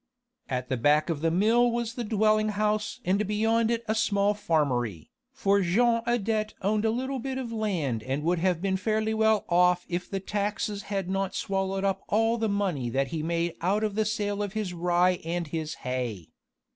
At the back of the mill was the dwelling house and beyond it a small farmery, for Jean Adet owned a little bit of land and would have been fairly well off if the taxes had not swallowed up all the money that he made out of the sale of his rye and his hay.